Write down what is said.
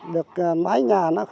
được mái nhà nó cũng ổn định